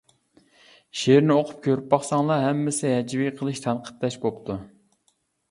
شېئىرنى ئوقۇپ، كۆرۈپ باقساڭلار ھەممىسى ھەجۋى قىلىش، تەنقىدلەش بوپتۇ.